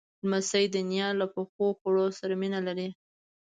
لمسی د نیا له پخو خواړو سره مینه لري.